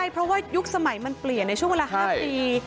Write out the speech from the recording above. เพราะว่ายุคสมัยมันเปลี่ยนในช่วงเวลา๕ปี